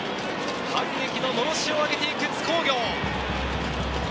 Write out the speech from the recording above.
反撃ののろしを上げていく津工業。